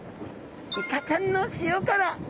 イカちゃんの塩辛！